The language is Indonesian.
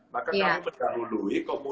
maka kamu berjaga dulu